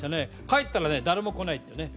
帰ったらね誰も来ないってね。